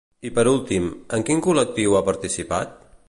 I per últim, en quin col·lectiu ha participat?